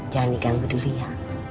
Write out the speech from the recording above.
jangan diganggu dulu ya